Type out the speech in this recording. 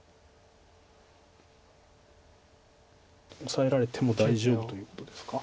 オサえられても大丈夫ということですか。